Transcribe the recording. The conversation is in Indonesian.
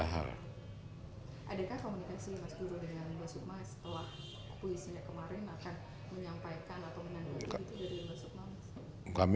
adakah komunikasi mas guru dengan mbak soekmawati setelah puisinya kemarin akan menyampaikan atau menandung itu dari mbak soekmawati